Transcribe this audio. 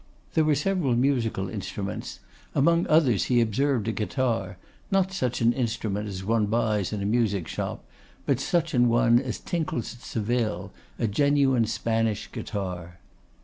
There were several musical instruments; among others, he observed a guitar; not such an instrument as one buys in a music shop, but such an one as tinkles at Seville, a genuine Spanish guitar.